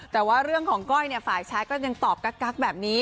แต่ว่าเรื่องของก้อยฝ่ายชายก็ยังตอบกั๊กแบบนี้